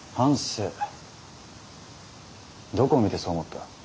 どこを見てそう思った。